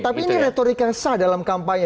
tapi ini retorik yang sah dalam kampanye